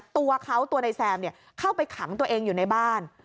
ตัวเขาตัวนายแซมเข้าไปขังตัวเองอยู่ในบ้าน